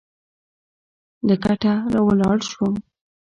له کټه راولاړ شوم.